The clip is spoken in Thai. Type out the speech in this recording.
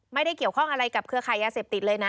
ไม่ได้เกี่ยวข้องอะไรกับเครือขายยาเสพติดเลยนะ